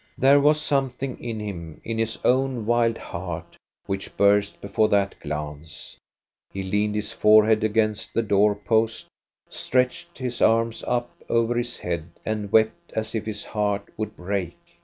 There was something in him, in his own wild heart, which burst before that glance ; he leaned his fore head against the door post, stretched his arms up over his head, and wept as if his heart would break.